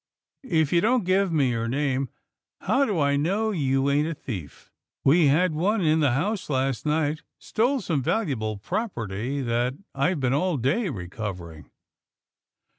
If you don't give your name, how do I know you ain't a thief? We had one in the house last night — stole some valuable property that I've been all day recovering."